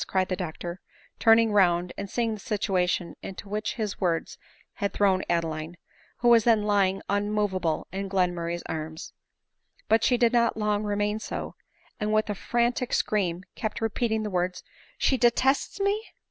cried the doctor, turning round and seeing the situa tion into which his words had thrown Adeline, who was then lying immoveable in Glenmurray's arms. But she did not long remain so, and with a frantic scream kept repeating the words " She detests me